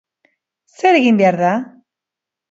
Zer egin behar da?